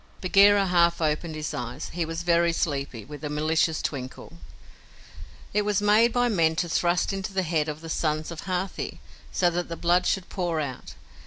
Bagheera half opened his eyes he was very sleepy with a malicious twinkle. "It was made by men to thrust into the head of the sons of Hathi, so that the blood should pour out.